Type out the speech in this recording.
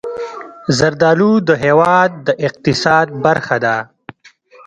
زردالو د هېواد د اقتصاد برخه ده.